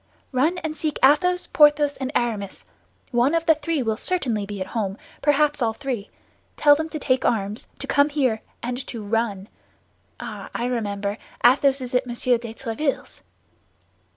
"Run and seek Athos, Porthos and Aramis. One of the three will certainly be at home, perhaps all three. Tell them to take arms, to come here, and to run! Ah, I remember, Athos is at Monsieur de Tréville's."